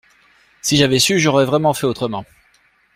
Si j’avais su, j'aurais vraiment fait autrement.